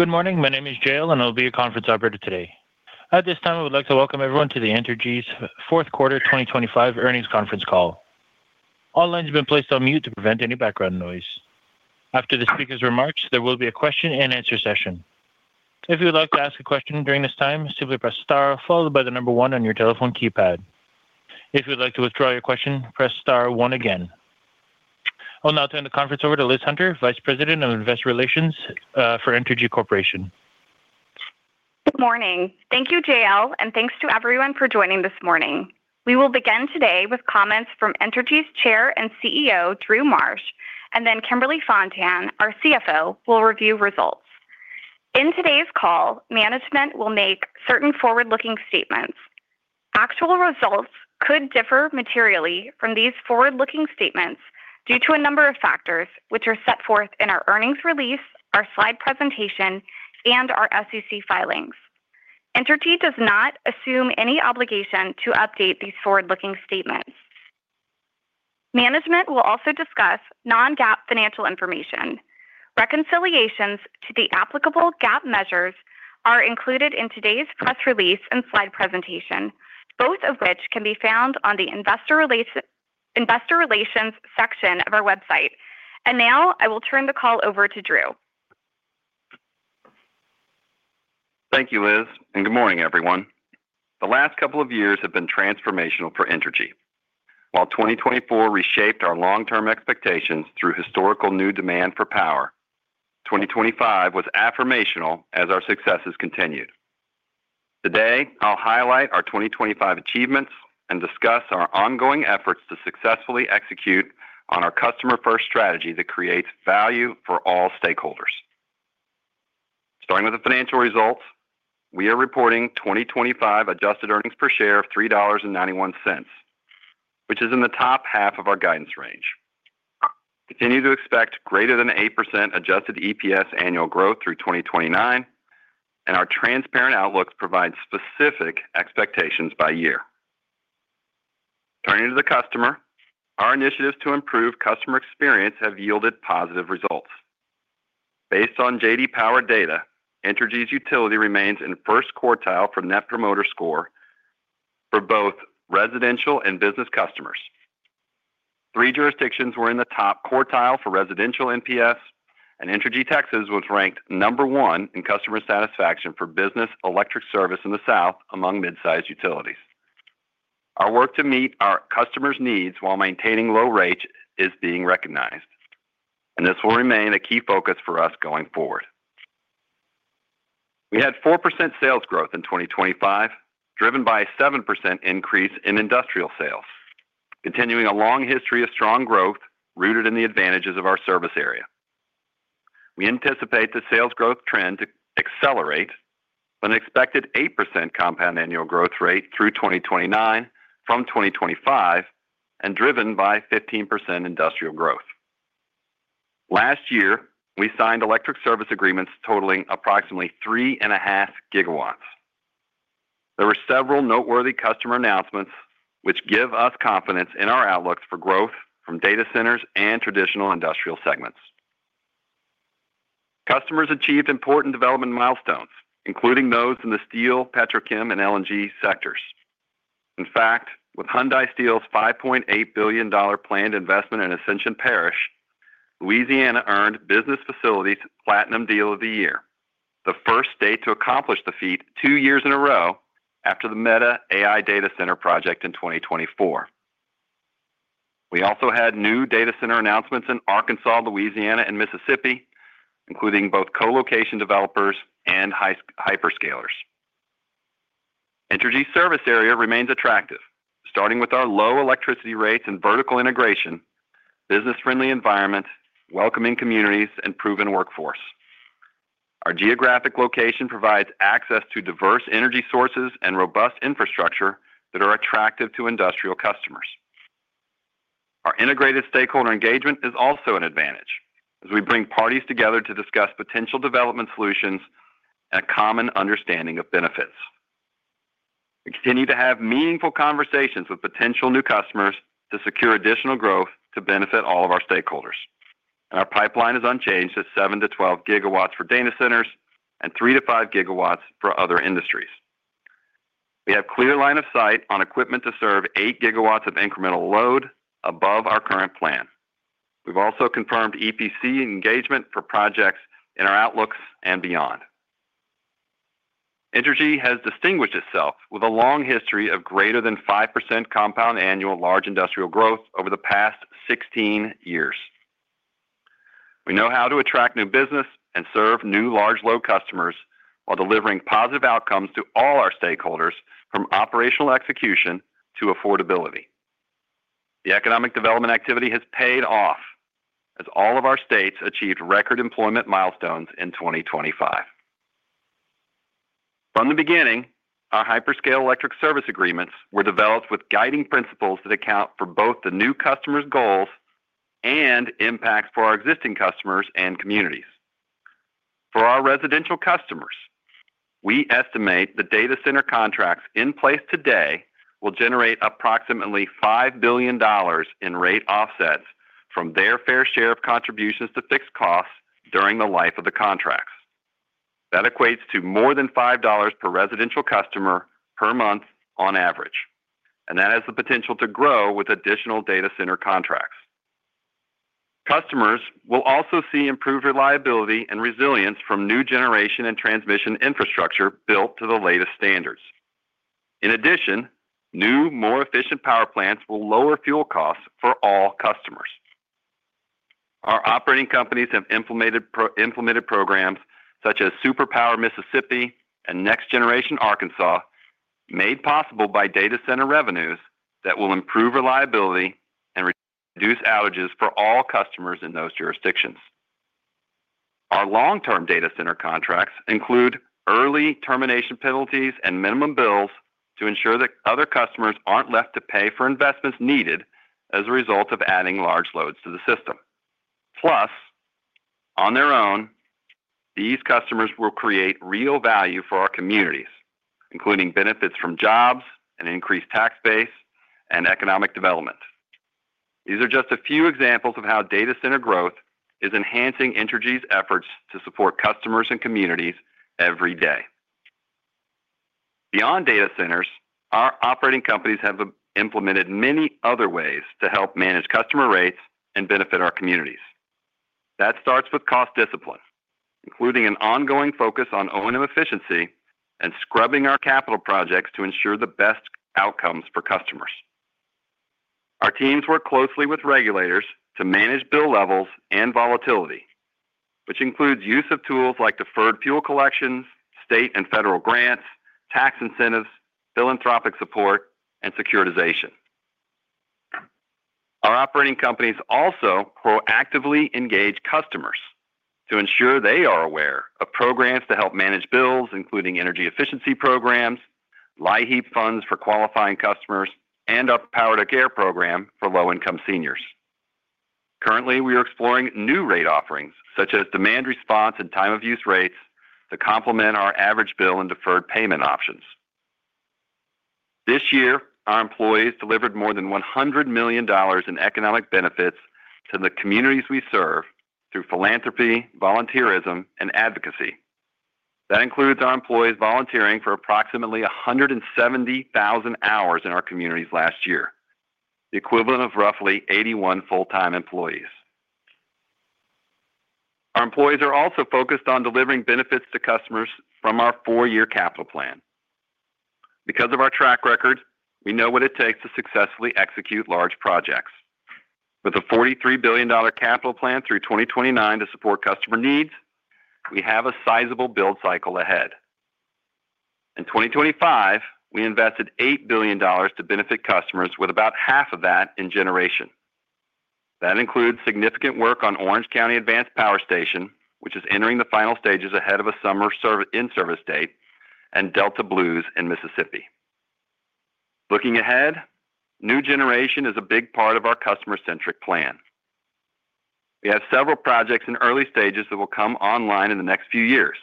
Good morning. My name is J.L., and I'll be your conference operator today. At this time, I would like to welcome everyone to the Entergy's Fourth Quarter 2025 Earnings Conference Call. All lines have been placed on mute to prevent any background noise. After the speaker's remarks, there will be a question and answer session. If you would like to ask a question during this time, simply press star followed by the number 1 on your telephone keypad. If you'd like to withdraw your question, press star one again. I'll now turn the conference over to Liz Hunter, Vice President of Investor Relations, for Entergy Corporation. Good morning. Thank you, JL, and thanks to everyone for joining this morning. We will begin today with comments from Entergy's Chair and CEO, Drew Marsh, and then Kimberly Fontan, our CFO, will review results. In today's call, management will make certain forward-looking statements. Actual results could differ materially from these forward-looking statements due to a number of factors, which are set forth in our earnings release, our slide presentation, and our SEC filings. Entergy does not assume any obligation to update these forward-looking statements. Management will also discuss non-GAAP financial information. Reconciliations to the applicable GAAP measures are included in today's press release and slide presentation, both of which can be found on the Investor Relations section of our website. Now I will turn the call over to Drew. Thank you, Liz, and good morning, everyone. The last couple of years have been transformational for Entergy. While 2024 reshaped our long-term expectations through historical new demand for power, 2025 was affirmational as our successes continued. Today, I'll highlight our 2025 achievements and discuss our ongoing efforts to successfully execute on our customer-first strategy that creates value for all stakeholders. Starting with the financial results, we are reporting 2025 adjusted earnings per share of $3.91, which is in the top half of our guidance range. Continue to expect greater than 8% adjusted EPS annual growth through 2029, and our transparent outlook provides specific expectations by year. Turning to the customer, our initiatives to improve customer experience have yielded positive results. Based on J.D. Power data, Entergy's utility remains in first quartile for Net Promoter Score for both residential and business customers. Three jurisdictions were in the top quartile for residential NPS, and Entergy Texas was ranked number one in customer satisfaction for business electric service in the South among mid-sized utilities. Our work to meet our customers' needs while maintaining low rates is being recognized, and this will remain a key focus for us going forward. We had 4% sales growth in 2025, driven by a 7% increase in industrial sales, continuing a long history of strong growth rooted in the advantages of our service area. We anticipate the sales growth trend to accelerate an expected 8% compound annual growth rate through 2029 from 2025 and driven by 15% industrial growth. Last year, we signed electric service agreements totaling approximately 3.5 gigawatts. There were several noteworthy customer announcements which give us confidence in our outlooks for growth from data centers and traditional industrial segments. Customers achieved important development milestones, including those in the steel, petrochem, and LNG sectors. In fact, with Hyundai Steel's $5.8 billion planned investment in Ascension Parish, Louisiana, earned Business Facilities Platinum Deal of the Year, the first state to accomplish the feat two years in a row after the Meta AI Data Center project in 2024. We also had new data center announcements in Arkansas, Louisiana, and Mississippi, including both co-location developers and hyperscalers. Entergy service area remains attractive, starting with our low electricity rates and vertical integration, business-friendly environment, welcoming communities, and proven workforce. Our geographic location provides access to diverse energy sources and robust infrastructure that are attractive to industrial customers. Our integrated stakeholder engagement is also an advantage as we bring parties together to discuss potential development solutions and a common understanding of benefits. We continue to have meaningful conversations with potential new customers to secure additional growth to benefit all of our stakeholders, and our pipeline is unchanged at 7-12 gigawatts for data centers and 3-5 gigawatts for other industries. We have clear line of sight on equipment to serve 8 gigawatts of incremental load above our current plan. We've also confirmed EPC engagement for projects in our outlooks and beyond. Entergy has distinguished itself with a long history of greater than 5% compound annual large industrial growth over the past 16 years. We know how to attract new business and serve new large load customers while delivering positive outcomes to all our stakeholders, from operational execution to affordability. The economic development activity has paid off as all of our states achieved record employment milestones in 2025. From the beginning, our hyperscale electric service agreements were developed with guiding principles that account for both the new customers' goals and impacts for our existing customers and communities. For our residential customers, we estimate the data center contracts in place today will generate approximately $5 billion in rate offsets from their fair share of contributions to fixed costs during the life of the contracts. That equates to more than $5 per residential customer per month on average, and that has the potential to grow with additional data center contracts. Customers will also see improved reliability and resilience from new generation and transmission infrastructure built to the latest standards. In addition, new, more efficient power plants will lower fuel costs for all customers. Our operating companies have implemented programs such as SuperPower Mississippi and Next Generation Arkansas, made possible by data center revenues that will improve reliability and reduce outages for all customers in those jurisdictions. Our long-term data center contracts include early termination penalties and minimum bills to ensure that other customers aren't left to pay for investments needed as a result of adding large loads to the system. Plus, on their own, these customers will create real value for our communities, including benefits from jobs and increased tax base and economic development. These are just a few examples of how data center growth is enhancing Entergy's efforts to support customers and communities every day. Beyond data centers, our operating companies have implemented many other ways to help manage customer rates and benefit our communities. That starts with cost discipline, including an ongoing focus on O&M efficiency and scrubbing our capital projects to ensure the best outcomes for customers. Our teams work closely with regulators to manage bill levels and volatility, which includes use of tools like deferred fuel collections, state and federal grants, tax incentives, philanthropic support, and securitization. Our operating companies also proactively engage customers to ensure they are aware of programs to help manage bills, including energy efficiency programs, LIHEAP funds for qualifying customers, and our Power to Care program for low-income seniors. Currently, we are exploring new rate offerings such as demand response and time of use rates to complement our average bill and deferred payment options. This year, our employees delivered more than $100 million in economic benefits to the communities we serve through philanthropy, volunteerism, and advocacy. That includes our employees volunteering for approximately 170,000 hours in our communities last year, the equivalent of roughly 81 full-time employees. Our employees are also focused on delivering benefits to customers from our four-year capital plan. Because of our track record, we know what it takes to successfully execute large projects. With a $43 billion capital plan through 2029 to support customer needs, we have a sizable build cycle ahead. In 2025, we invested $8 billion to benefit customers, with about half of that in generation. That includes significant work on Orange County Advanced Power Station, which is entering the final stages ahead of a summer in-service date, and Delta Blues in Mississippi. Looking ahead, new generation is a big part of our customer-centric plan. We have several projects in early stages that will come online in the next few years,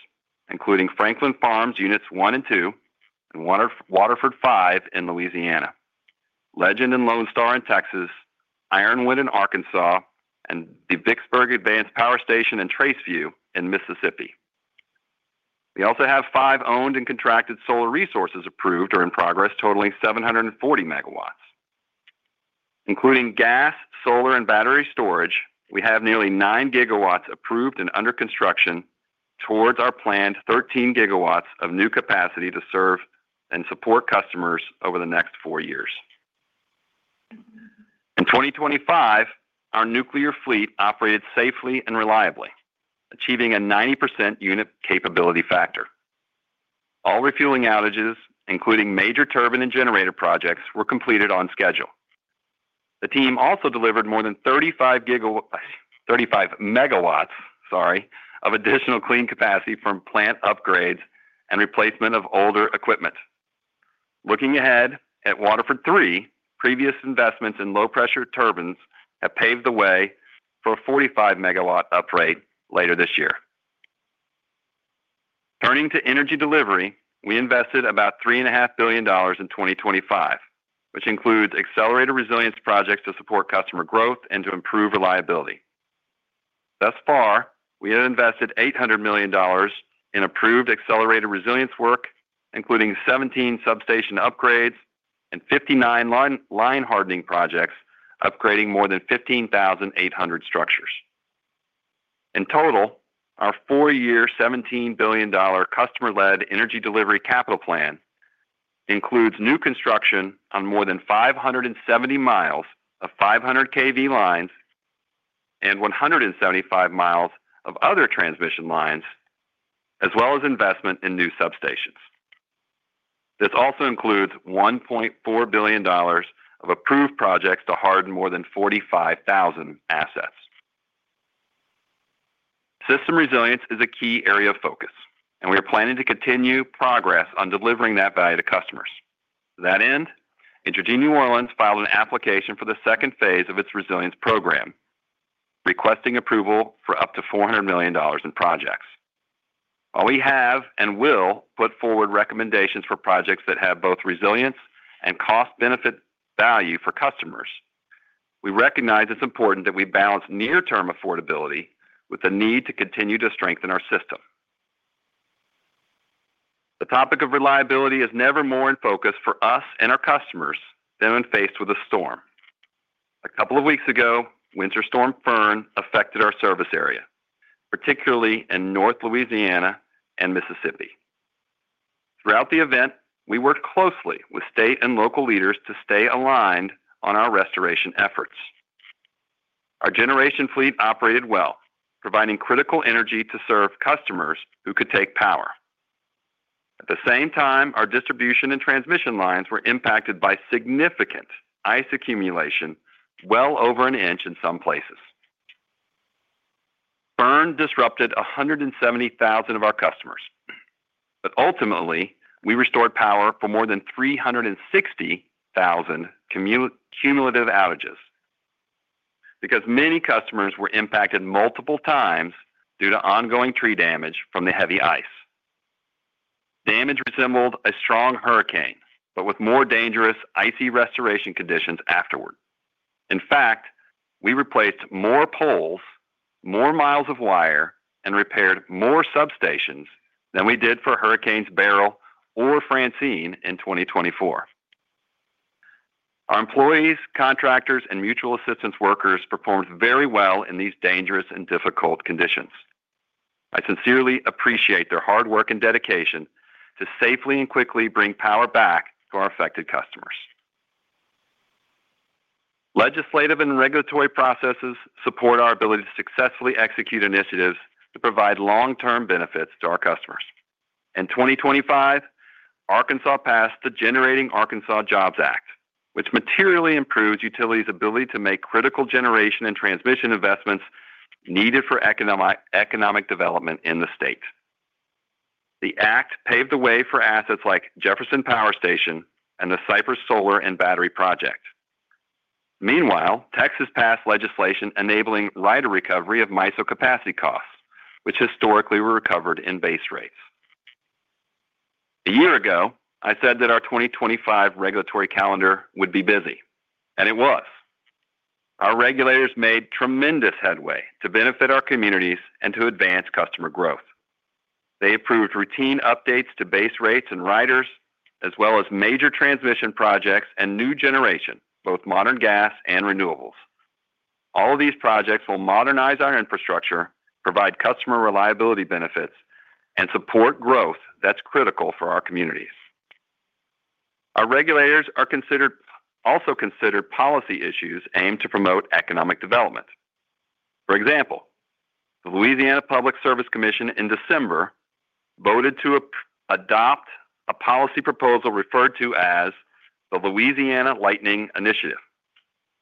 including Franklin Farms Units One and Two, and Waterford 5 in Louisiana, Legend and Lone Star in Texas, Ironwind in Arkansas, and the Vicksburg Advanced Power Station and Trace View in Mississippi. We also have five owned and contracted solar resources approved or in progress, totaling 740 MW. Including gas, solar, and battery storage, we have nearly 9 gigawatts approved and under construction towards our planned 13 gigawatts of new capacity to serve and support customers over the next four years. In 2025, our nuclear fleet operated safely and reliably, achieving a 90% unit capability factor. All refueling outages, including major turbine and generator projects, were completed on schedule. The team also delivered more than 35 GW, 35 MW, sorry, of additional clean capacity from plant upgrades and replacement of older equipment. Looking ahead, at Waterford 3, previous investments in low-pressure turbines have paved the way for a 45-MW upgrade later this year. Turning to energy delivery, we invested about $3.5 billion in 2025, which includes accelerated resilience projects to support customer growth and to improve reliability. Thus far, we have invested $800 million in approved accelerated resilience work, including 17 substation upgrades and 59 line hardening projects, upgrading more than 15,800 structures. In total, our four-year, $17 billion customer-led energy delivery capital plan includes new construction on more than 570 miles of 500 kV lines and 175 miles of other transmission lines, as well as investment in new substations. This also includes $1.4 billion of approved projects to harden more than 45,000 assets. System resilience is a key area of focus, and we are planning to continue progress on delivering that value to customers. To that end, Entergy New Orleans filed an application for the second phase of its resilience program, requesting approval for up to $400 million in projects. While we have and will put forward recommendations for projects that have both resilience and cost benefit value for customers, we recognize it's important that we balance near-term affordability with the need to continue to strengthen our system. The topic of reliability is never more in focus for us and our customers than when faced with a storm. A couple of weeks ago, Winter Storm Fern affected our service area, particularly in North Louisiana and Mississippi. Throughout the event, we worked closely with state and local leaders to stay aligned on our restoration efforts. Our generation fleet operated well, providing critical energy to serve customers who could take power. At the same time, our distribution and transmission lines were impacted by significant ice accumulation, well over an inch in some places. Fern disrupted 170,000 of our customers, but ultimately, we restored power for more than 360,000 cumulative outages, because many customers were impacted multiple times due to ongoing tree damage from the heavy ice. Damage resembled a strong hurricane, but with more dangerous icy restoration conditions afterward. In fact, we replaced more poles, more miles of wire, and repaired more substations than we did for Hurricanes Beryl or Francine in 2024. Our employees, contractors, and mutual assistance workers performed very well in these dangerous and difficult conditions. I sincerely appreciate their hard work and dedication to safely and quickly bring power back to our affected customers. Legislative and regulatory processes support our ability to successfully execute initiatives to provide long-term benefits to our customers. In 2025, Arkansas passed the Generating Arkansas Jobs Act, which materially improves utility's ability to make critical generation and transmission investments needed for economic development in the state. The act paved the way for assets like Jefferson Power Station and the Cypress Solar and Battery Project. Meanwhile, Texas passed legislation enabling rider recovery of MISO capacity costs, which historically were recovered in base rates. A year ago, I said that our 2025 regulatory calendar would be busy, and it was. Our regulators made tremendous headway to benefit our communities and to advance customer growth. They approved routine updates to base rates and riders, as well as major transmission projects and new generation, both modern gas and renewables. All of these projects will modernize our infrastructure, provide customer reliability benefits, and support growth that's critical for our communities. Our regulators also considered policy issues aimed to promote economic development. For example, the Louisiana Public Service Commission in December voted to adopt a policy proposal referred to as the Louisiana Lightning Initiative,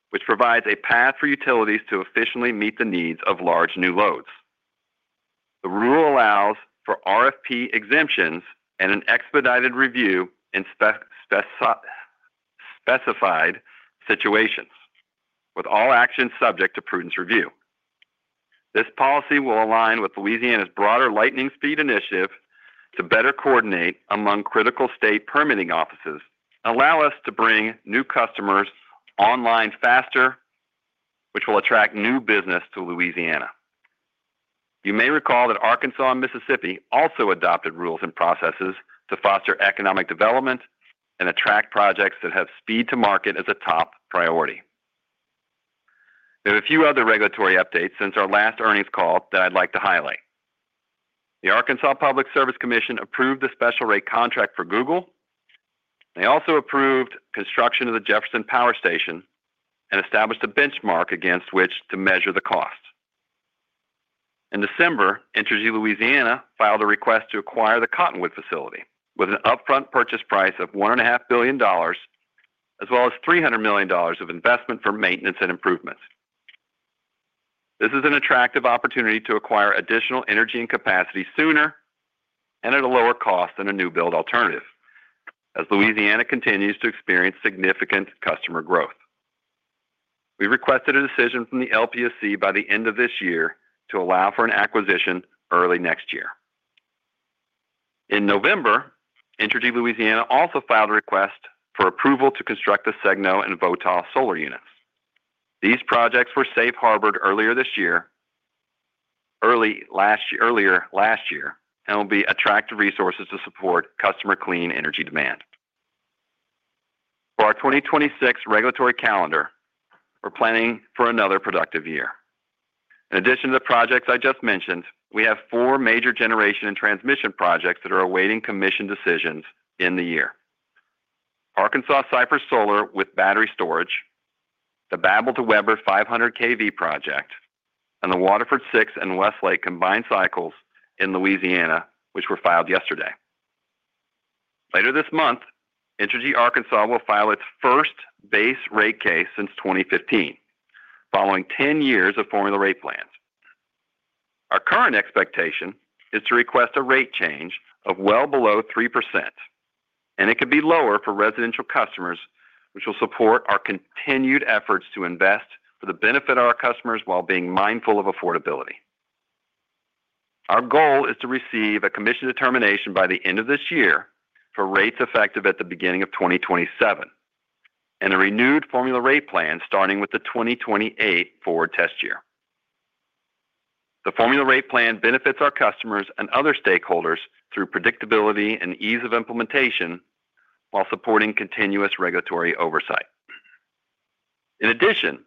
which provides a path for utilities to efficiently meet the needs of large new loads. The rule allows for RFP exemptions and an expedited review in specified situations, with all actions subject to prudence review. This policy will align with Louisiana's broader lightning speed initiative to better coordinate among critical state permitting offices, allow us to bring new customers online faster, which will attract new business to Louisiana. You may recall that Arkansas and Mississippi also adopted rules and processes to foster economic development and attract projects that have speed to market as a top priority. There are a few other regulatory updates since our last earnings call that I'd like to highlight. The Arkansas Public Service Commission approved the special rate contract for Google. They also approved construction of the Jefferson Power Station and established a benchmark against which to measure the cost. In December, Entergy Louisiana filed a request to acquire the Cottonwood facility with an upfront purchase price of $1.5 billion, as well as $300 million of investment for maintenance and improvements. This is an attractive opportunity to acquire additional energy and capacity sooner and at a lower cost than a new build alternative, as Louisiana continues to experience significant customer growth. We requested a decision from the LPSC by the end of this year to allow for an acquisition early next year. In November, Entergy Louisiana also filed a request for approval to construct the Segno Solar and Votaw Solar units. These projects were safe harbored earlier this year, earlier last year, and will be attractive resources to support customer clean energy demand. For our 2026 regulatory calendar, we're planning for another productive year. In addition to the projects I just mentioned, we have 4 major generation and transmission projects that are awaiting commission decisions in the year. Arkansas Cypress Solar with battery storage, the Babel to Weber 500 kV project, and the Waterford 6 and Westlake combined cycles in Louisiana, which were filed yesterday. Later this month, Entergy Arkansas will file its first base rate case since 2015, following 10 years of formula rate plans. Current expectation is to request a rate change of well below 3%, and it could be lower for residential customers, which will support our continued efforts to invest for the benefit of our customers while being mindful of affordability. Our goal is to receive a commission determination by the end of this year for rates effective at the beginning of 2027, and a renewed formula rate plan starting with the 2028 forward test year. The formula rate plan benefits our customers and other stakeholders through predictability and ease of implementation while supporting continuous regulatory oversight. In addition,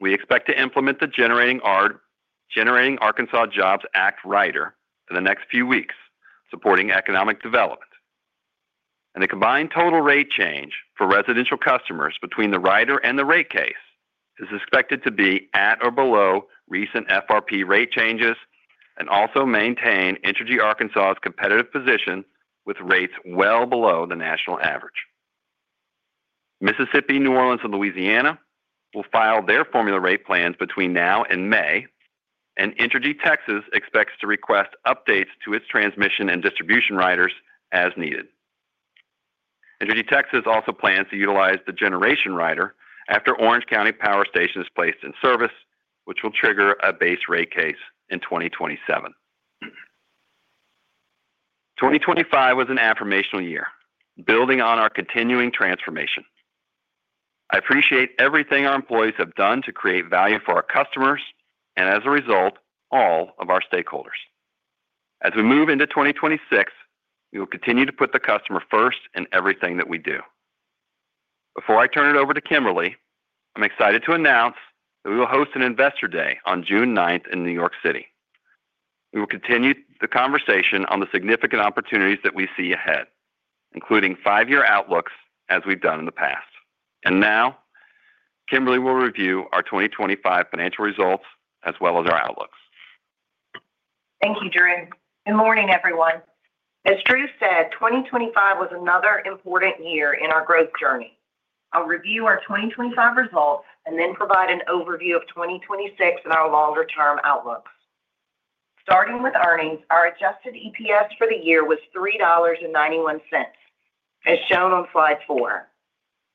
we expect to implement the Generating Arkansas Jobs Act rider in the next few weeks, supporting economic development. The combined total rate change for residential customers between the rider and the rate case is expected to be at or below recent FRP rate changes and also maintain Entergy Arkansas' competitive position with rates well below the national average. Mississippi, New Orleans, and Louisiana will file their formula rate plans between now and May, and Entergy Texas expects to request updates to its transmission and distribution riders as needed. Entergy Texas also plans to utilize the generation rider after Orange County Power Station is placed in service, which will trigger a base rate case in 2027. 2025 was a transformational year, building on our continuing transformation. I appreciate everything our employees have done to create value for our customers, and as a result, all of our stakeholders. As we move into 2026, we will continue to put the customer first in everything that we do. Before I turn it over to Kimberly, I'm excited to announce that we will host an Investor Day on June ninth in New York City. We will continue the conversation on the significant opportunities that we see ahead, including five-year outlooks, as we've done in the past. And now, Kimberly will review our 2025 financial results as well as our outlooks. Thank you, Drew. Good morning, everyone. As Drew said, 2025 was another important year in our growth journey. I'll review our 2025 results and then provide an overview of 2026 and our longer-term outlooks. Starting with earnings, our adjusted EPS for the year was $3.91, as shown on slide 4.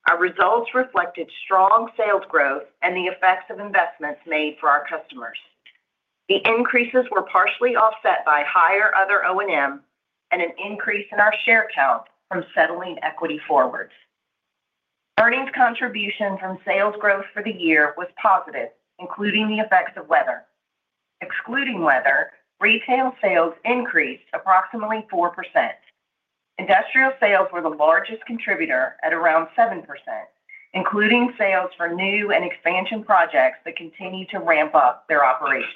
Our results reflected strong sales growth and the effects of investments made for our customers. The increases were partially offset by higher other O&M and an increase in our share count from settling equity forwards. Earnings contribution from sales growth for the year was positive, including the effects of weather. Excluding weather, retail sales increased approximately 4%. Industrial sales were the largest contributor at around 7%, including sales for new and expansion projects that continue to ramp up their operations.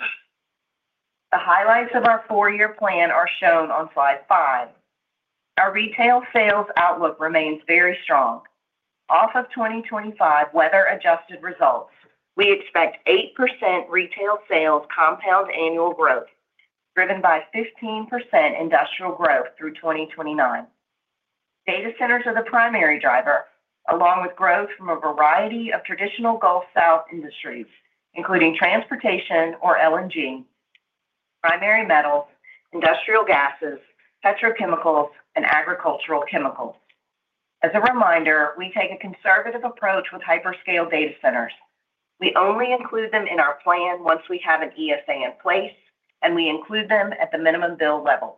The highlights of our four-year plan are shown on slide 5. Our retail sales outlook remains very strong. Off of 2025 weather-adjusted results, we expect 8% retail sales compound annual growth, driven by 15% industrial growth through 2029. Data centers are the primary driver, along with growth from a variety of traditional Gulf South industries, including transportation or LNG, primary metals, industrial gases, petrochemicals, and agricultural chemicals. As a reminder, we take a conservative approach with hyperscale data centers. We only include them in our plan once we have an ESA in place, and we include them at the minimum bill levels.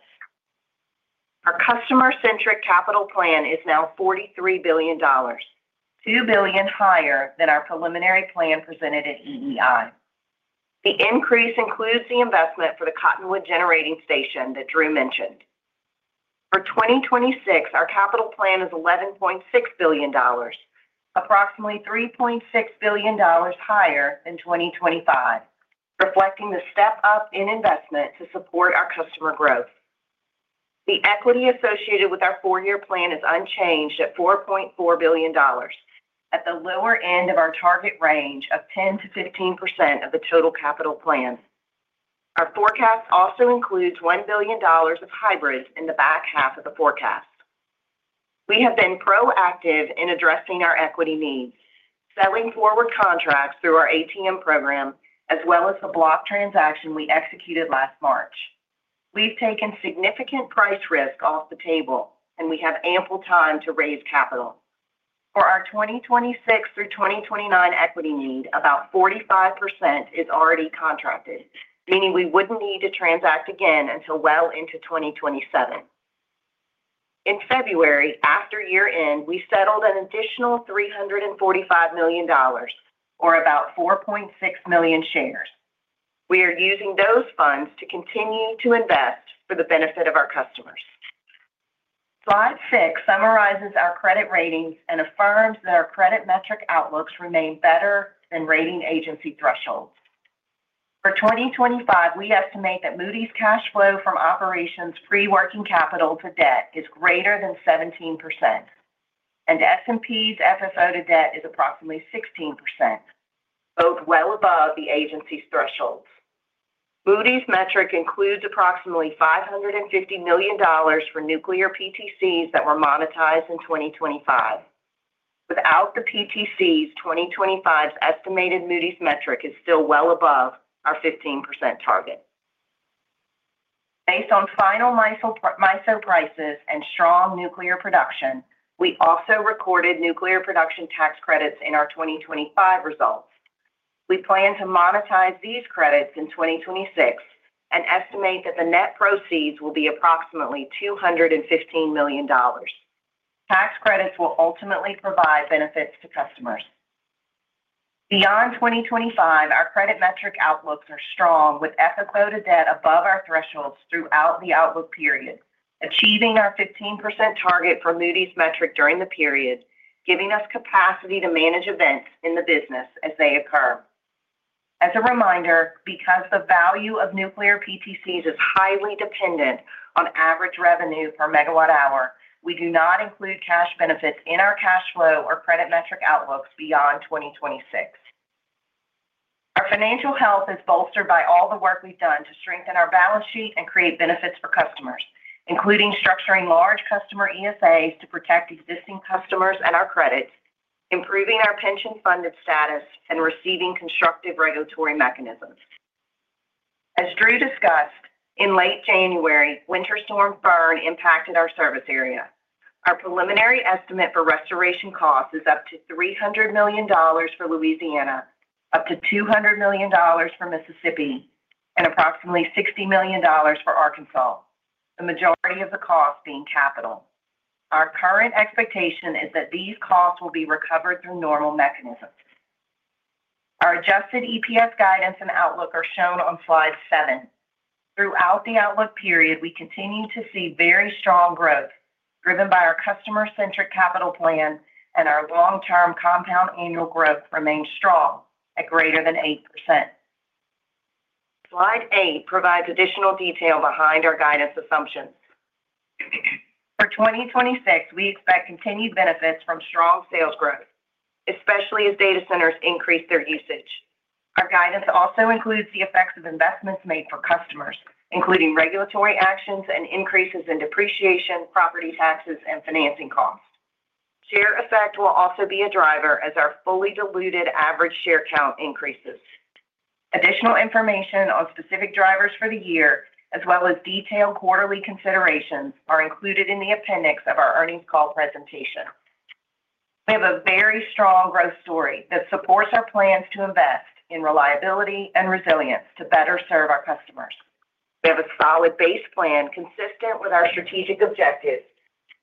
Our customer-centric capital plan is now $43 billion, $2 billion higher than our preliminary plan presented at EEI. The increase includes the investment for the Cottonwood Generating Station that Drew mentioned. For 2026, our capital plan is $11.6 billion, approximately $3.6 billion higher than 2025, reflecting the step up in investment to support our customer growth. The equity associated with our four-year plan is unchanged at $4.4 billion, at the lower end of our target range of 10%-15% of the total capital plan. Our forecast also includes $1 billion of hybrids in the back half of the forecast. We have been proactive in addressing our equity needs, selling forward contracts through our ATM program, as well as the block transaction we executed last March. We've taken significant price risk off the table, and we have ample time to raise capital. For our 2026 through 2029 equity need, about 45% is already contracted, meaning we wouldn't need to transact again until well into 2027. In February, after year-end, we settled an additional $345 million, or about 4.6 million shares. We are using those funds to continue to invest for the benefit of our customers. Slide 6 summarizes our credit ratings and affirms that our credit metric outlooks remain better than rating agency thresholds. For 2025, we estimate that Moody's cash flow from operations free working capital to debt is greater than 17%, and S&P's FFO to debt is approximately 16%, both well above the agency's thresholds. Moody's metric includes approximately $550 million for nuclear PTCs that were monetized in 2025. Without the PTCs, 2025's estimated Moody's metric is still well above our 15% target. Based on final MISO prices and strong nuclear production, we also recorded nuclear production tax credits in our 2025 results. We plan to monetize these credits in 2026 and estimate that the net proceeds will be approximately $215 million. Tax credits will ultimately provide benefits to customers. Beyond 2025, our credit metric outlooks are strong, with FFO to debt above our thresholds throughout the outlook period, achieving our 15% target for Moody's metric during the period, giving us capacity to manage events in the business as they occur. As a reminder, because the value of nuclear PTCs is highly dependent on average revenue per megawatt-hour, we do not include cash benefits in our cash flow or credit metric outlooks beyond 2026. Our financial health is bolstered by all the work we've done to strengthen our balance sheet and create benefits for customers, including structuring large customer ESAs to protect existing customers and our credits, improving our pension-funded status, and receiving constructive regulatory mechanisms. As Drew discussed, in late January, Winter Storm Fern impacted our service area. Our preliminary estimate for restoration costs is up to $300 million for Louisiana, up to $200 million for Mississippi, and approximately $60 million for Arkansas, the majority of the cost being capital. Our current expectation is that these costs will be recovered through normal mechanisms. Our adjusted EPS guidance and outlook are shown on slide 7. Throughout the outlook period, we continue to see very strong growth, driven by our customer-centric capital plan, and our long-term compound annual growth remains strong at greater than 8%. Slide 8 provides additional detail behind our guidance assumptions. For 2026, we expect continued benefits from strong sales growth, especially as data centers increase their usage. Our guidance also includes the effects of investments made for customers, including regulatory actions and increases in depreciation, property taxes, and financing costs. Share effect will also be a driver as our fully diluted average share count increases. Additional information on specific drivers for the year, as well as detailed quarterly considerations, are included in the appendix of our earnings call presentation. We have a very strong growth story that supports our plans to invest in reliability and resilience to better serve our customers. We have a solid base plan consistent with our strategic objectives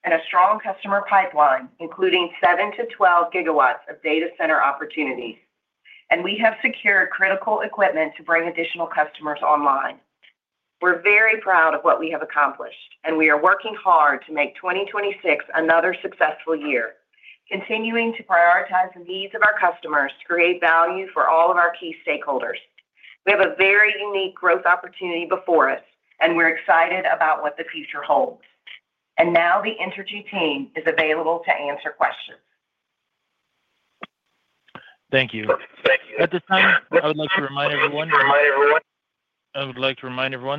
and a strong customer pipeline, including 7-12 gigawatts of data center opportunities, and we have secured critical equipment to bring additional customers online. We're very proud of what we have accomplished, and we are working hard to make 2026 another successful year, continuing to prioritize the needs of our customers to create value for all of our key stakeholders. We have a very unique growth opportunity before us, and we're excited about what the future holds. Now the Entergy team is available to answer questions. Thank you. At this time, I would like to remind everyone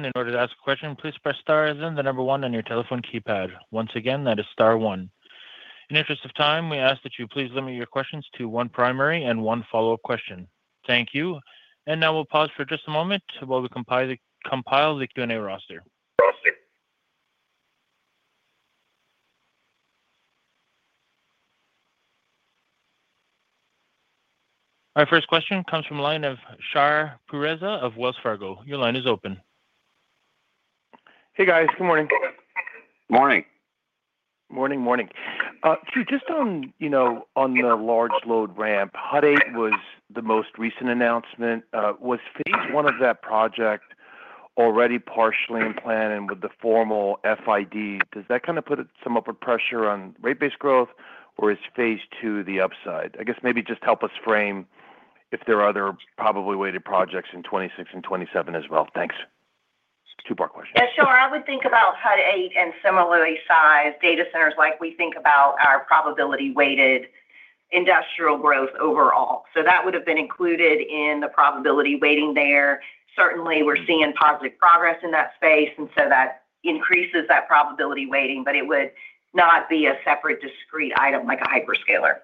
in order to ask a question, please press star, then the number one on your telephone keypad. Once again, that is star one. In the interest of time, we ask that you please limit your questions to one primary and one follow-up question. Thank you. Now we'll pause for just a moment while we compile the Q&A roster. Our first question comes from the line of Shar Pourreza of Wells Fargo. Your line is open. Hey, guys. Good morning. Morning. Morning, morning. So just on, you know, on the large load ramp, Hut 8 was the most recent announcement. Was phase one of that project already partially in plan and with the formal FID? Does that kind of put some upward pressure on rate-based growth, or is phase two the upside? I guess maybe just help us frame if there are other probably weighted projects in 2026 and 2027 as well. Thanks. Two part question. Yeah, Shar, I would think about Hut 8 and similarly sized data centers like we think about our probability-weighted industrial growth overall. So that would have been included in the probability weighting there. Certainly, we're seeing positive progress in that space, and so that increases that probability weighting, but it would not be a separate discrete item like a hyperscaler.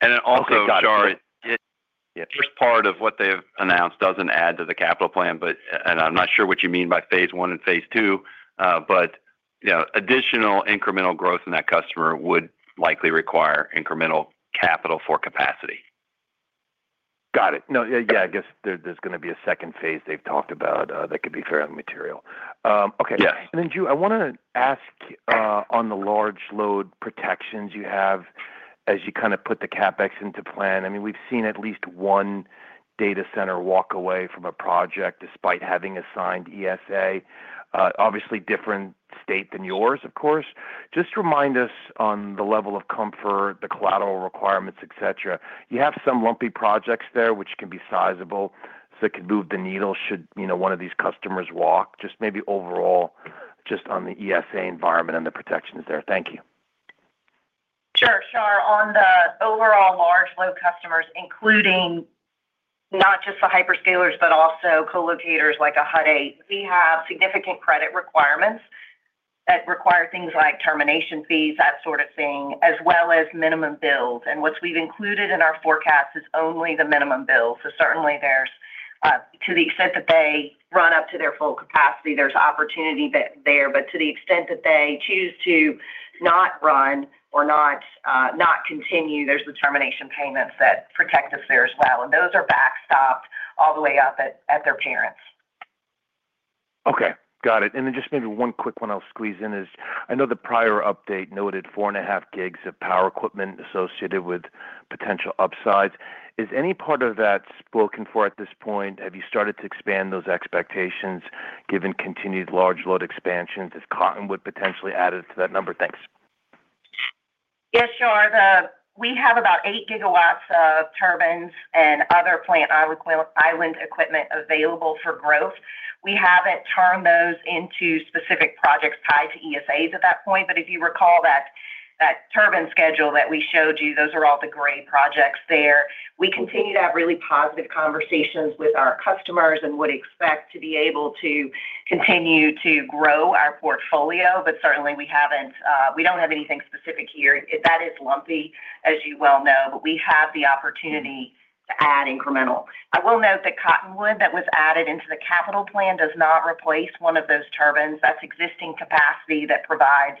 And then also, Shar, the first part of what they've announced doesn't add to the capital plan, but, and I'm not sure what you mean by phase one and phase two, but, you know, additional incremental growth in that customer would likely require incremental capital for capacity. Got it. No, yeah, I guess there, there's going to be a second phase they've talked about that could be fairly material. Okay. Yes. And then, Ju, I want to ask on the large load protections you have as you kind of put the CapEx into plan. I mean, we've seen at least one data center walk away from a project despite having assigned ESA, obviously, different state than yours, of course. Just remind us on the level of comfort, the collateral requirements, et cetera. You have some lumpy projects there, which can be sizable, so it could move the needle should, you know, one of these customers walk, just maybe overall, just on the ESA environment and the protections there. Thank you. Sure, Shar. On the overall large load customers, including not just the hyperscalers, but also co-locators like a Hut 8. We have significant credit requirements that require things like termination fees, that sort of thing, as well as minimum bills. And what we've included in our forecast is only the minimum bills. So certainly there's to the extent that they run up to their full capacity, there's opportunity but there, but to the extent that they choose to not run or not not continue, there's the termination payments that protect us there as well, and those are backstopped all the way up at their parents. Okay, got it. And then just maybe one quick one I'll squeeze in is: I know the prior update noted 4.5 gigs of power equipment associated with potential upsides. Is any part of that spoken for at this point? Have you started to expand those expectations given continued large load expansions, has Cottonwood potentially added to that number? Thanks. Yes, sure. We have about 8 gigawatts of turbines and other plant island equipment available for growth. We haven't turned those into specific projects tied to ESAs at that point, but if you recall that turbine schedule that we showed you, those are all the gray projects there. We continue to have really positive conversations with our customers and would expect to be able to continue to grow our portfolio, but certainly we haven't, we don't have anything specific here. That is lumpy, as you well know, but we have the opportunity to add incremental. I will note that Cottonwood that was added into the capital plan does not replace one of those turbines. That's existing capacity that provides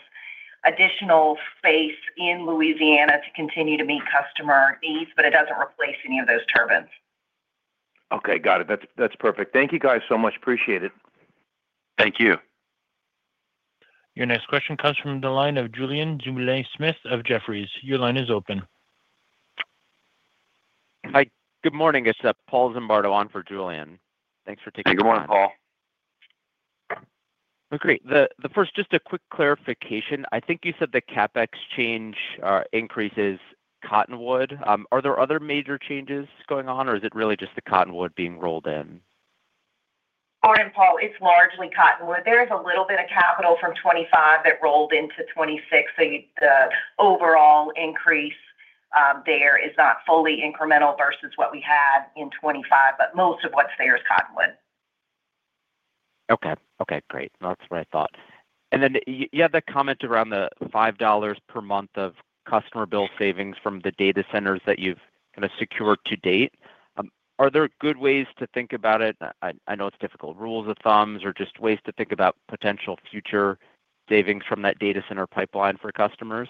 additional space in Louisiana to continue to meet customer needs, but it doesn't replace any of those turbines. Okay, got it. That's, that's perfect. Thank you, guys, so much. Appreciate it. Thank you. Your next question comes from the line of Julian Dumoulin-Smith of Jefferies. Your line is open. Hi, good morning. It's Paul Zimbardo on for Julian. Thanks for taking my call. Good morning, Paul. Okay, the first, just a quick clarification. I think you said the CapEx change increases Cottonwood. Are there other major changes going on, or is it really just the Cottonwood being rolled in? Morning, Paul. It's largely Cottonwood. There's a little bit of capital from 2025 that rolled into 2026, so the overall increase there is not fully incremental versus what we had in 2025, but most of what's there is Cottonwood. Okay. Okay, great. That's what I thought. And then you had that comment around the $5 per month of customer bill savings from the data centers that you've kind of secured to date. Are there good ways to think about it? I know it's difficult. Rules of thumb or just ways to think about potential future savings from that data center pipeline for customers?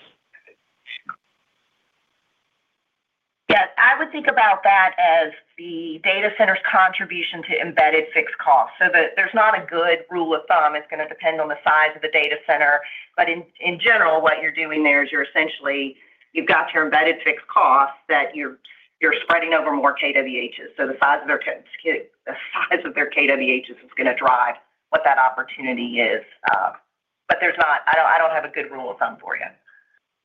Yes, I would think about that as the data center's contribution to embedded fixed costs. So there, there's not a good rule of thumb. It's going to depend on the size of the data center, but in general, what you're doing there is you're essentially, you've got your embedded fixed costs that you're spreading over more kWhs. So the size of their kWhs is going to drive what that opportunity is, but there's not. I don't have a good rule of thumb for you.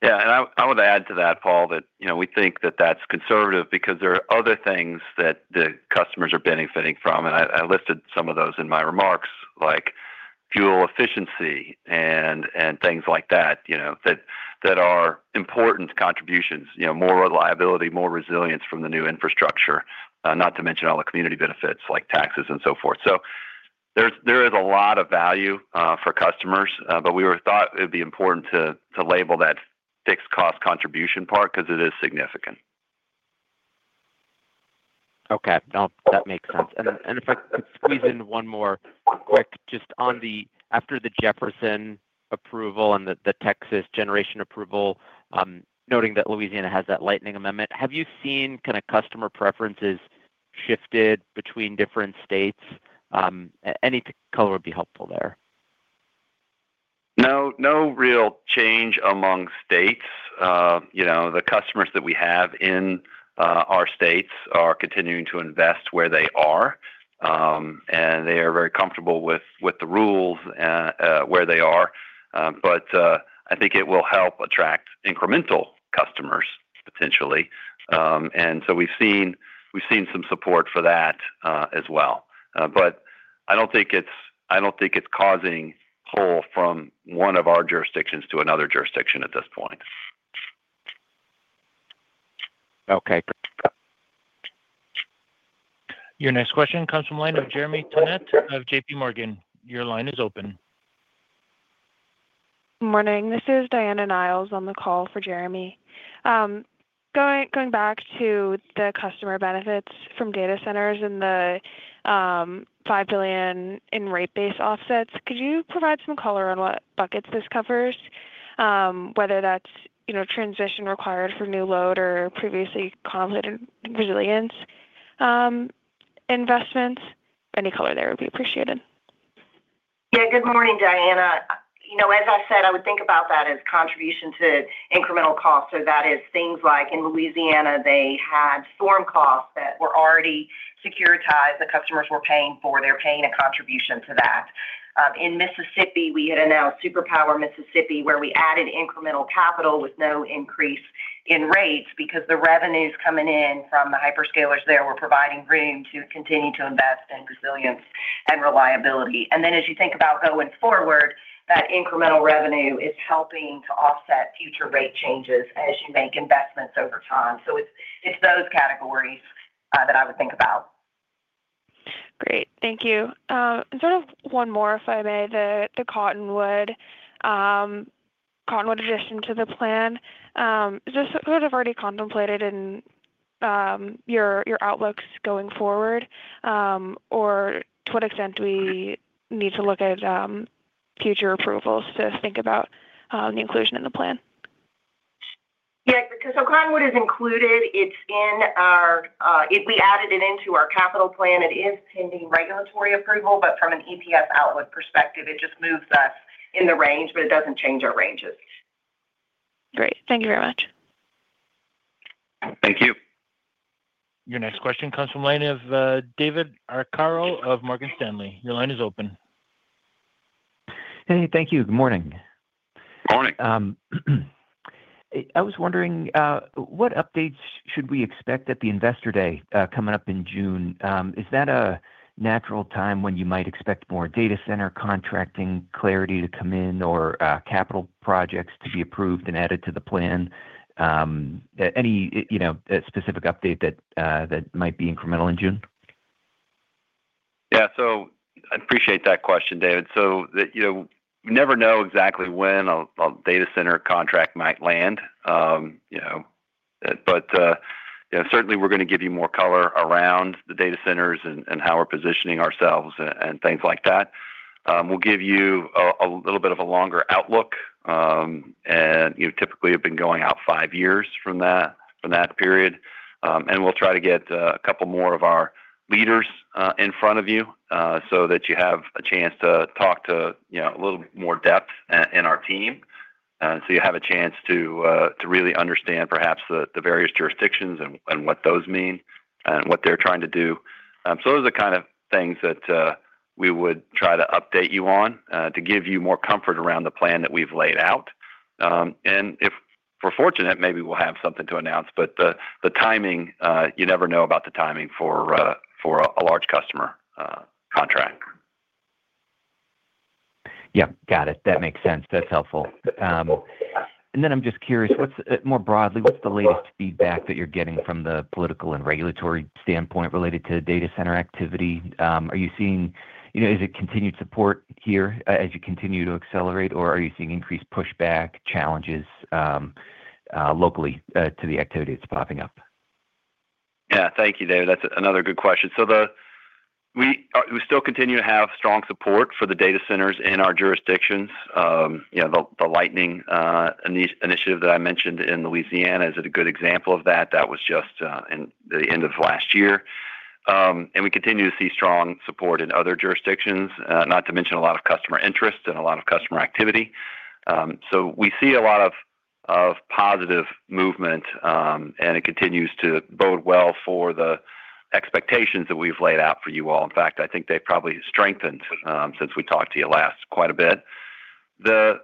Yeah, and I would add to that, Paul, that you know, we think that that's conservative because there are other things that the customers are benefiting from, and I listed some of those in my remarks, like fuel efficiency and things like that, you know, that are important contributions. You know, more reliability, more resilience from the new infrastructure, not to mention all the community benefits, like taxes and so forth. So there is a lot of value for customers, but we thought it would be important to label that fixed cost contribution part because it is significant. Okay, now that makes sense. And if I could squeeze in one more quick, just on the after the Jefferson approval and the Texas generation approval, noting that Louisiana has that lightning amendment, have you seen kind of customer preferences shifted between different states? Any color would be helpful there. No, no real change among states. You know, the customers that we have in our states are continuing to invest where they are, and they are very comfortable with, with the rules where they are. But, I think it will help attract incremental customers, potentially. And so we've seen, we've seen some support for that, as well. But I don't think it's, I don't think it's causing pull from one of our jurisdictions to another jurisdiction at this point. Okay. Your next question comes from line of Jeremy Tonet of J.P. Morgan. Your line is open. Morning, this is Diana Niles on the call for Jeremy. Going back to the customer benefits from data centers and the $5 billion in rate base offsets, could you provide some color on what buckets this covers? Whether that's, you know, transition required for new load or previously completed resilience investments? Any color there would be appreciated. Yeah, good morning, Diana. You know, as I said, I would think about that as contribution to incremental costs, so that is things like in Louisiana, they had storm costs that were already securitized. The customers were paying for, they're paying a contribution to that. In Mississippi, we had announced SuperPower Mississippi, where we added incremental capital with no increase in rates because the revenues coming in from the hyperscalers there were providing room to continue to invest in resilience and reliability. And then as you think about going forward, that incremental revenue is helping to offset future rate changes as you make investments over time. So it's, it's those categories that I would think about.... Thank you. And sort of one more, if I may, the Cottonwood addition to the plan, is this sort of already contemplated in your outlooks going forward, or to what extent do we need to look at future approvals to think about the inclusion in the plan? Yeah, because so Cottonwood is included. It's in our capital plan. If we added it into our capital plan, it is pending regulatory approval, but from an EPS outlook perspective, it just moves us in the range, but it doesn't change our ranges. Great. Thank you very much. Thank you. Your next question comes from line of David Arcaro of Morgan Stanley. Your line is open. Hey, thank you. Good morning. Morning. I was wondering what updates should we expect at the Investor Day coming up in June? Is that a natural time when you might expect more data center contracting clarity to come in or capital projects to be approved and added to the plan? Any, you know, specific update that might be incremental in June? Yeah. So I appreciate that question, David. So the, you know, you never know exactly when a data center contract might land, you know. But, you know, certainly we're going to give you more color around the data centers and, and how we're positioning ourselves and, and things like that. We'll give you a little bit of a longer outlook, and, you know, typically have been going out five years from that, from that period. And we'll try to get a couple more of our leaders in front of you, so that you have a chance to talk to, you know, a little more depth in our team. So you have a chance to really understand perhaps the, the various jurisdictions and, and what those mean and what they're trying to do. So those are the kind of things that we would try to update you on, to give you more comfort around the plan that we've laid out. And if we're fortunate, maybe we'll have something to announce, but the timing, you never know about the timing for a large customer contract. Yeah, got it. That makes sense. That's helpful. And then I'm just curious, what's more broadly, what's the latest feedback that you're getting from the political and regulatory standpoint related to data center activity? Are you seeing, you know, is it continued support here as you continue to accelerate, or are you seeing increased pushback, challenges, locally, to the activity that's popping up? Yeah. Thank you, David. That's another good question. So we are, we still continue to have strong support for the data centers in our jurisdictions. You know, the lightning initiative that I mentioned in Louisiana is a good example of that. That was just in the end of last year. And we continue to see strong support in other jurisdictions, not to mention a lot of customer interest and a lot of customer activity. So we see a lot of positive movement, and it continues to bode well for the expectations that we've laid out for you all. In fact, I think they've probably strengthened, since we talked to you last, quite a bit. There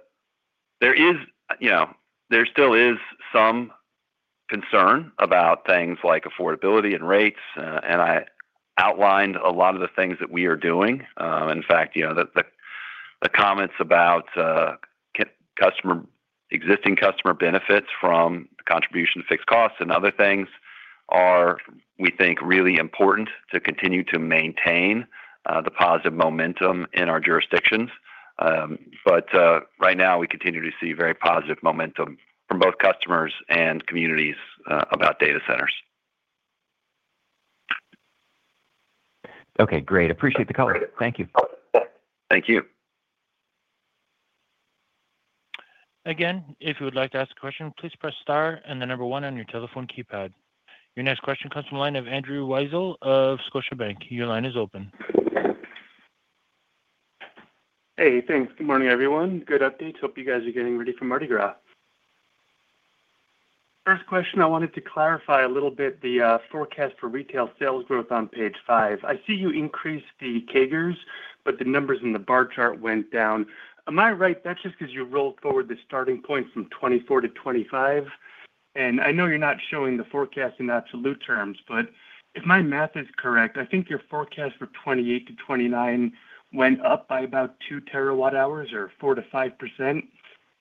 is, you know, there still is some concern about things like affordability and rates, and I outlined a lot of the things that we are doing. In fact, you know, the comments about customer existing customer benefits from contribution to fixed costs and other things are, we think, really important to continue to maintain the positive momentum in our jurisdictions. But right now, we continue to see very positive momentum from both customers and communities about data centers. Okay, great. Appreciate the color. Great. Thank you. Thank you. Again, if you would like to ask a question, please press star and the number one on your telephone keypad. Your next question comes from the line of Andrew Weisel of Scotiabank. Your line is open. Hey, thanks. Good morning, everyone. Good updates. Hope you guys are getting ready for Mardi Gras. First question, I wanted to clarify a little bit the forecast for retail sales growth on page 5. I see you increased the CAGRs, but the numbers in the bar chart went down. Am I right that's just 'cause you rolled forward the starting point from 2024 to 2025? And I know you're not showing the forecast in absolute terms, but if my math is correct, I think your forecast for 2028 to 2029 went up by about 2 TWh or 4%-5%.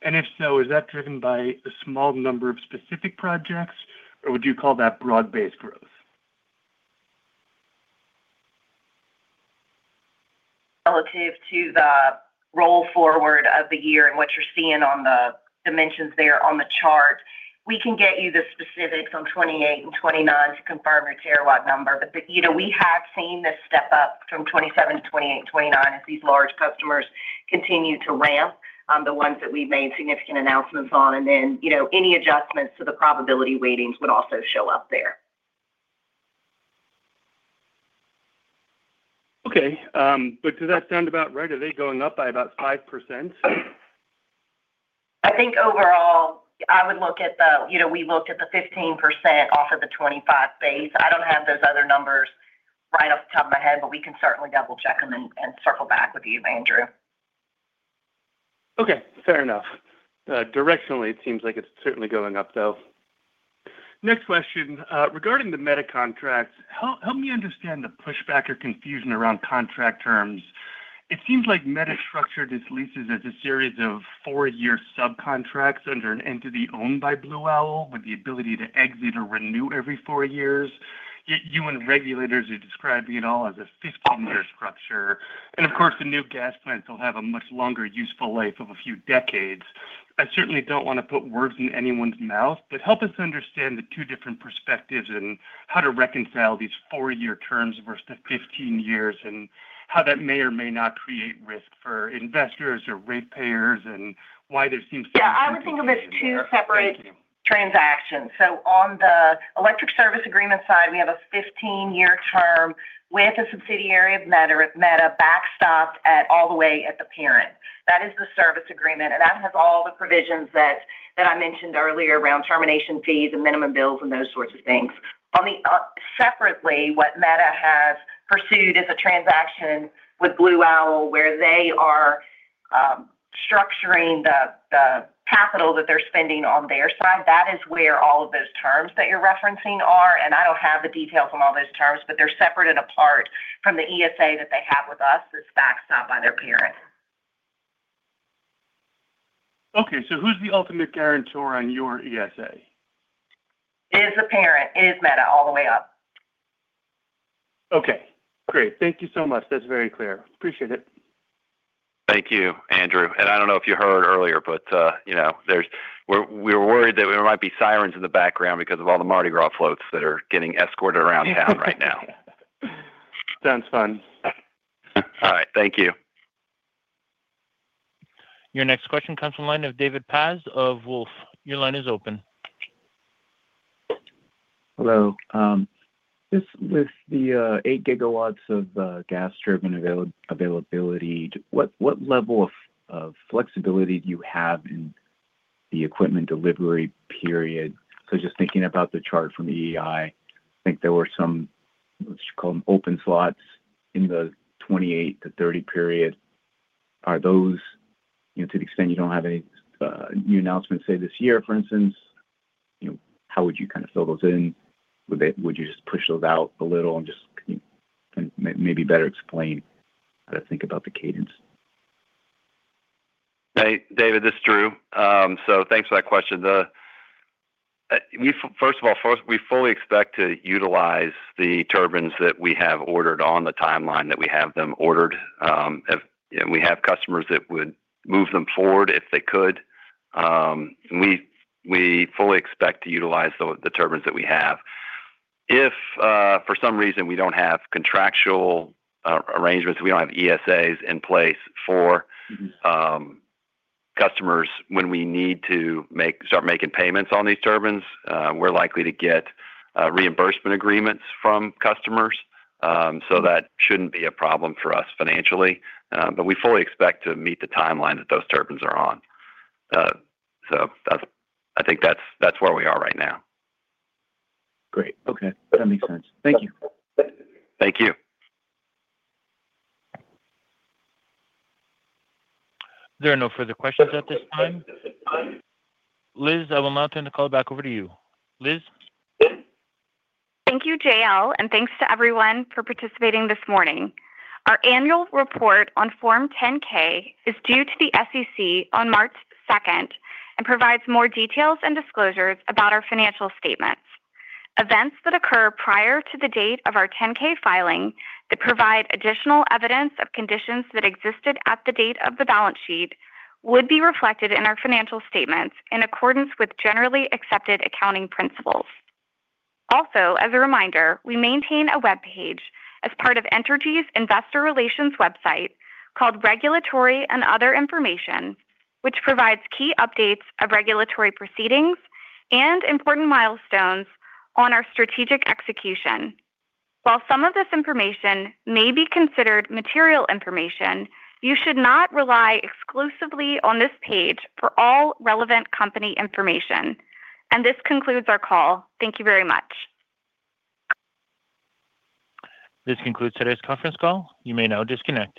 And if so, is that driven by a small number of specific projects, or would you call that broad-based growth? Relative to the roll forward of the year and what you're seeing on the dimensions there on the chart, we can get you the specifics on 28 and 29 to confirm your terawatt number. But, you know, we have seen this step up from 27 to 28, 29 as these large customers continue to ramp, the ones that we've made significant announcements on. And then, you know, any adjustments to the probability weightings would also show up there. Okay, but does that sound about right? Are they going up by about 5%? I think overall, I would look at the... You know, we looked at the 15% off of the 25 base. I don't have those other numbers right off the top of my head, but we can certainly double-check them and circle back with you, Andrew. Okay, fair enough. Directionally, it seems like it's certainly going up, though. Next question, regarding the Meta contracts, help, help me understand the pushback or confusion around contract terms.... It seems like Meta structured its leases as a series of 4-year subcontracts under an entity owned by Blue Owl, with the ability to exit or renew every 4 years. Yet you and regulators are describing it all as a 15-year structure, and of course, the new gas plants will have a much longer useful life of a few decades. I certainly don't want to put words in anyone's mouth, but help us understand the two different perspectives and how to reconcile these 4-year terms versus the 15 years, and how that may or may not create risk for investors or ratepayers, and why there seems to be- Yeah, I would think of it as two separate transactions. So on the electric service agreement side, we have a 15-year term with a subsidiary of Meta, with Meta backstopped at all the way at the parent. That is the service agreement, and that has all the provisions that I mentioned earlier around termination fees and minimum bills and those sorts of things. On the separately, what Meta has pursued is a transaction with Blue Owl, where they are structuring the capital that they're spending on their side. That is where all of those terms that you're referencing are, and I don't have the details on all those terms, but they're separate and apart from the ESA that they have with us, that's backstopped by their parent. Okay, so who's the ultimate guarantor on your ESA? It is the parent. It is Meta all the way up. Okay, great. Thank you so much. That's very clear. Appreciate it. Thank you, Andrew. I don't know if you heard earlier, but you know, we're worried that there might be sirens in the background because of all the Mardi Gras floats that are getting escorted around town right now. Sounds fun. All right, thank you. Your next question comes from the line of David Paz of Wolfe. Your line is open. Hello. Just with the 8 gigawatts of gas-driven availability, what level of flexibility do you have in the equipment delivery period? So just thinking about the chart from the EI, I think there were some, let's call them open slots in the 2028-2030 period. Are those, you know, to the extent you don't have any new announcements, say, this year, for instance, you know, how would you kind of fill those in? Would you just push those out a little and just maybe better explain how to think about the cadence? Hey, David, this is Drew. So thanks for that question. First of all, we fully expect to utilize the turbines that we have ordered on the timeline that we have them ordered. And we have customers that would move them forward if they could. And we fully expect to utilize the turbines that we have. If for some reason we don't have contractual arrangements, we don't have ESAs in place for- Mm-hmm... customers when we need to make, start making payments on these turbines, we're likely to get reimbursement agreements from customers. So that shouldn't be a problem for us financially, but we fully expect to meet the timeline that those turbines are on. So that's. I think, that's, that's where we are right now. Great. Okay, that makes sense. Thank you. Thank you. There are no further questions at this time. Liz, I will now turn the call back over to you. Liz? Thank you, JL, and thanks to everyone for participating this morning. Our annual report on Form 10-K is due to the SEC on March second, and provides more details and disclosures about our financial statements. Events that occur prior to the date of our 10-K filing, that provide additional evidence of conditions that existed at the date of the balance sheet, would be reflected in our financial statements in accordance with generally accepted accounting principles. Also, as a reminder, we maintain a web page as part of Entergy's investor relations website, called Regulatory and Other Information, which provides key updates of regulatory proceedings and important milestones on our strategic execution. While some of this information may be considered material information, you should not rely exclusively on this page for all relevant company information. This concludes our call. Thank you very much. This concludes today's conference call. You may now disconnect.